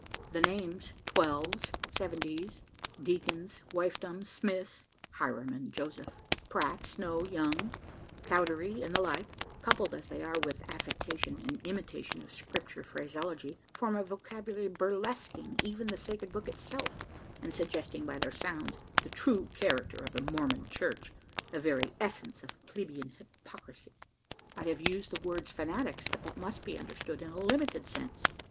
The names "twelves," "seventies," "deacons," "wifedoms," "Smiths" (Hiram and Joseph), Pratt, Snow, Young, Cowdery, and the like coupled as they are with an affectation and imitation of Scripture phraseology form a vocabulary burlesquing even the Sacred Book itself, and suggesting by their sounds the true character of the Mormon Church a very essence of plebeian hypocrisy. I have used the word "fanatics," but that must be understood in a limited sense.